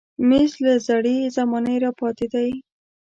مېز له زړې زمانې راپاتې دی.